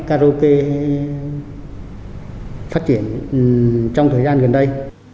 ở các nhà nghỉ quán bar karaoke phát triển trong thời gian gần đây